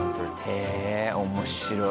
へえ面白い。